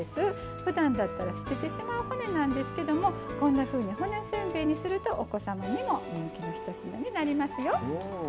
ふだんだったら捨ててしまう骨なんですけどもこんなふうに骨せんべいにするとお子様にも人気のひと品になりますよ。